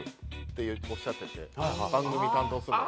番組を担当するのが。